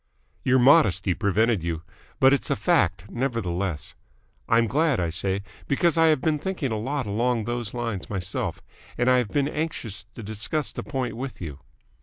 "Your modesty prevented you. But it's a fact, nevertheless. I'm glad, I say, because I have been thinking a lot along those lines myself, and I have been anxious to discuss the point with you.